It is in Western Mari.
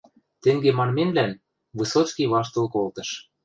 Тенге манмемлӓн Высоцкий ваштыл колтыш.